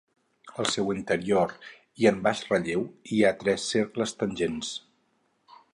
Al seu interior i en baix relleu hi ha tres cercles tangents.